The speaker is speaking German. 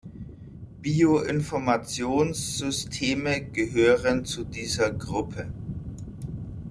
Bioinformationssysteme gehören zu dieser Gruppe.